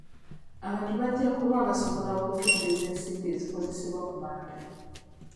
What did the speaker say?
Abantu bajja kuba basobola okukendeeza ensimbi ezikozesebwa ku manda.